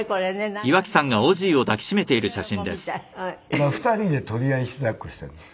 今２人で取り合いして抱っこしてるんです。